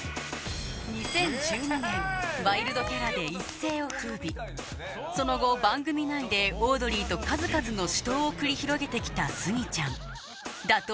２０１２年ワイルドキャラで一世をふうびその後番組内でオードリーと数々の死闘を繰り広げてきたスギちゃん打倒